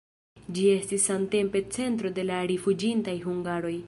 Ĝi estis samtempe centro de la rifuĝintaj hungaroj.